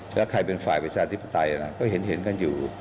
แล้วใครเป็นฝ่ายประชาธิปไตยก็เห็นกันอยู่